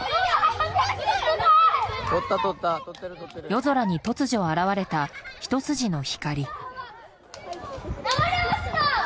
夜空に突如現れたひと筋の光。